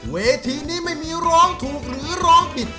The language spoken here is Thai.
เวทีนี้ไม่มีร้องถูกหรือร้องผิด